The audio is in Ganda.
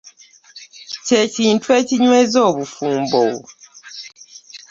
kye kintu ekinyweza obufumbo.